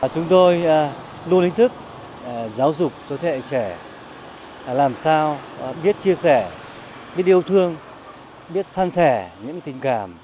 chúng tôi luôn ý thức giáo dục cho thế hệ trẻ làm sao biết chia sẻ biết yêu thương biết san sẻ những tình cảm